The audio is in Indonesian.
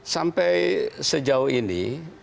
sampai sejauh ini